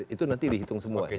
itu nanti dihitung semuanya